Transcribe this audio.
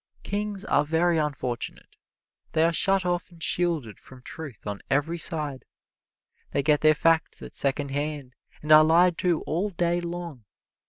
Kings are very unfortunate they are shut off and shielded from truth on every side. They get their facts at second hand and are lied to all day long.